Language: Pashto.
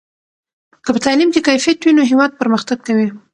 که په تعلیم کې کیفیت وي نو هېواد پرمختګ کوي.